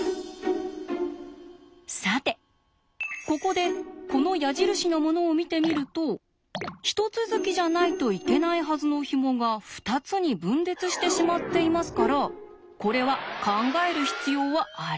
さてここでこの矢印のものを見てみると一続きじゃないといけないはずのひもが２つに分裂してしまっていますからこれは考える必要はありません。